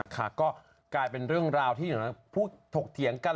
ค่ะก็กลายเป็นเรื่องราวที่พูดถกเถียงกัน